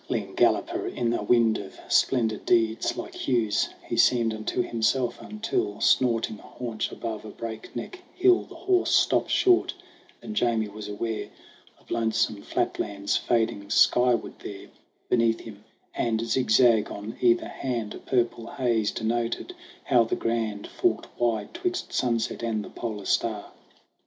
GRAYBEARD AND GOLDHAIR 9 Lean galloper in a wind of splendid deeds, Like Hugh's, he seemed unto himself, until, Snorting, a haunch above a breakneck hill, The horse stopped short then Jamie was aware Of lonesome flatlands fading skyward there Beneath him, and, zigzag on either hand, A purple haze denoted how the Grand Forked wide 'twixt sunset and the polar star.